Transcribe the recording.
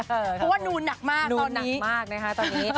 เพราะว่านูนหนักมากนอนหนักมากนะคะตอนนี้